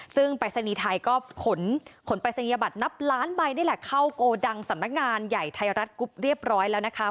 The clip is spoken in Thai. ซึ่งปรายศนีย์ไทยก็ขนปรายศนียบัตรนับล้านใบนี่แหละเข้าโกดังสำนักงานใหญ่ไทยรัฐกรุ๊ปเรียบร้อยแล้วนะคะ